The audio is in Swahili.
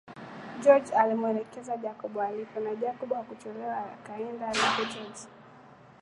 George alimuelekeza Jacob alipo na Jacob hakuchelewa akaenda alipo George